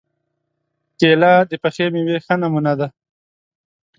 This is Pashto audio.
کېله د پخې مېوې ښه نمونه ده.